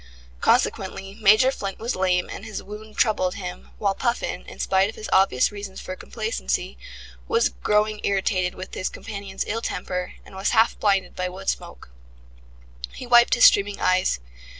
Consequently Major Flint was lame and his wound troubled him, while Puffin, in spite of his obvious reasons for complacency, was growing irritated with his companion's ill temper, and was half blinded by wood smoke. He wiped his streaming eyes.